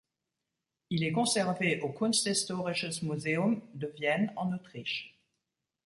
Il est conservé au Kunsthistorisches Museum de Vienne en Autriche.